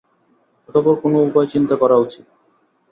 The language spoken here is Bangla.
অতঃপর কোন উপায় চিন্তা করা উচিত।